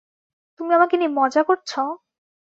তুমি আমাকে নিয়ে মজা করছো?